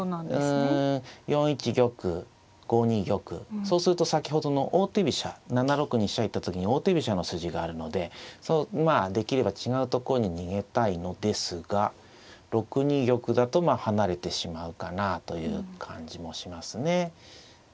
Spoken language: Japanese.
うん４一玉５二玉そうすると先ほどの王手飛車７六に飛車行った時に王手飛車の筋があるのでまあできれば違うところに逃げたいのですが６二玉だと離れてしまうかなあという感じもしますね。